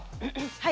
はい。